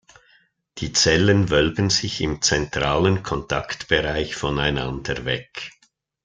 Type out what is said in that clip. Die Zellen wölben sich im zentralen Kontaktbereich voneinander weg.